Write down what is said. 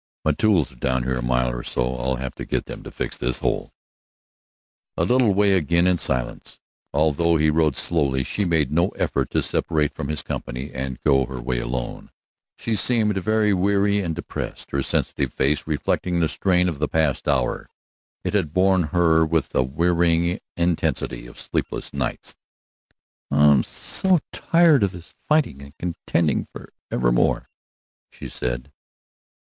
"My tools are down here a mile or so. I'll have to get them to fix this hole." A little way again in silence. Although he rode slowly she made no effort to separate from his company and go her way alone. She seemed very weary and depressed, her sensitive face reflecting the strain of the past hour. It had borne on her with the wearing intensity of sleepless nights. "I'm tired of this fighting and contending for evermore!" she said.